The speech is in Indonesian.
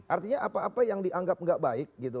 artinya apa apa yang dianggap tidak baik